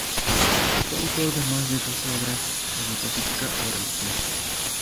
Fue autor de más de doce obras de metafísica o religión.